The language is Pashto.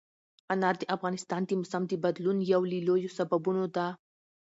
انار د افغانستان د موسم د بدلون یو له لویو سببونو ده.